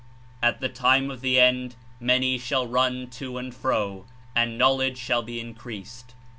''At the time of the end, many shall run to and fro, and kncaledge shall he increase d.'